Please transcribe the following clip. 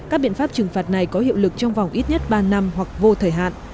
các biện pháp trừng phạt này có hiệu lực trong vòng ít nhất ba năm hoặc vô thời hạn